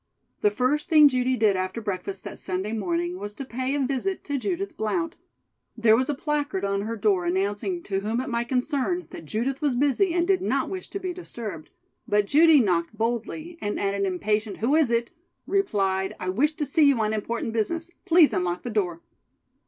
The first thing Judy did after breakfast that Sunday morning was to pay a visit to Judith Blount. There was a placard on her door announcing to whom it might concern that Judith was busy and did not wish to be disturbed, but Judy knocked boldly and at an impatient "Who is it?" replied: "I wish to see you on important business. Please unlock the door."